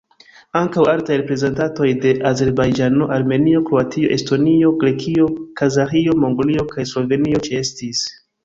Ankaŭ altaj reprezentantoj de Azerbajĝano, Armenio, Kroatio, Estonio, Grekio, Kazaĥio, Mongolio kaj Slovenio ĉeestis.